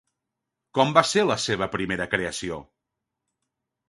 Com va ser la seva primera creació?